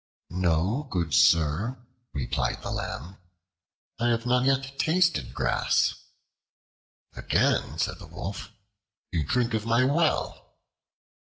"No, good sir," replied the Lamb, "I have not yet tasted grass." Again said the Wolf, "You drink of my well."